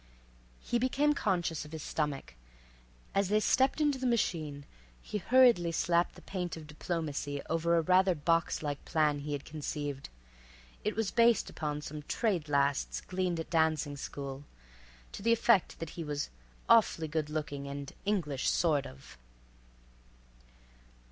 He became conscious of his stomach. As they stepped into the machine he hurriedly slapped the paint of diplomacy over a rather box like plan he had conceived. It was based upon some "trade lasts" gleaned at dancing school, to the effect that he was "awful good looking and English, sort of."